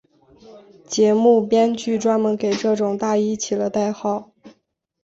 节目编剧专门给这种大衣起了代号。